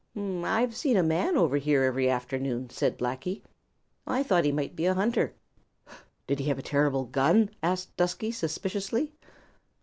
"I've seen a man over here every afternoon," said Blacky. "I thought he might be a hunter." "Did he have a terrible gun?" asked Dusky suspiciously.